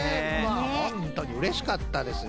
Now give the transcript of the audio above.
ホントにうれしかったです。